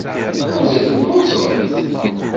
Mazal telluẓemt?